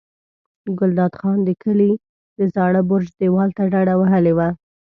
ګلداد خان د کلي د زاړه برج دېوال ته ډډه وهلې وه.